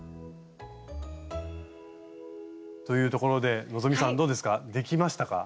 というところで希さんどうですか？できましたか？